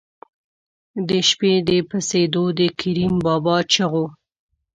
د شپې د پسېدو د کریم بابا چغو.